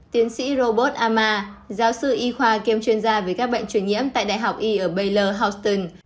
tiến sĩ robert amar giáo sư y khoa kiêm chuyên gia về các bệnh chuyển nhiễm tại đại học y ở baylor houston